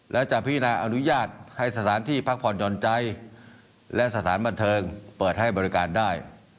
และจะพินาอนุญาตให้สถานที่พักผ่อนหย่อนใจและสถานบันเทิงเปิดให้บริการได้